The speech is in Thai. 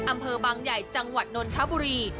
อำเภอบางใหญ่จังหวัดนนทบุรี